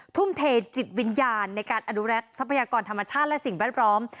ทุ่มเทจิตวิญญาณในการอนุรักษ์ทรัพยากรธรรมชาติและสิ่งแวดล้อม